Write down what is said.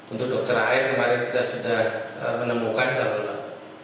untuk dokter r kemarin kita sudah menemukan saluran